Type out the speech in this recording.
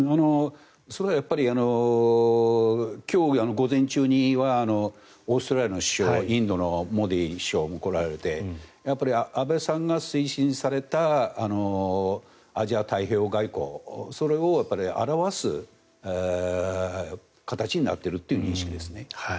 それは今日午前中にはオーストラリアの首相インドのモディ首相も来られてやっぱり安倍さんが推進されたアジア太平洋外交それを表す形になっているという認識ですね。